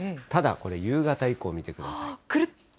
ただ、これ夕方以降見てください。